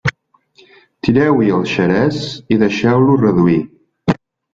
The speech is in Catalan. Tireu-hi el xerès i deixeu-lo reduir.